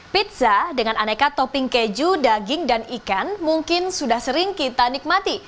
pizza dengan aneka topping keju daging dan ikan mungkin sudah sering kita nikmati